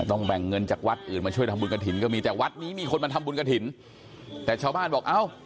แบ่งเงินจากวัดอื่นมาช่วยทำบุญกระถิ่นก็มีแต่วัดนี้มีคนมาทำบุญกระถิ่นแต่ชาวบ้านบอกเอ้า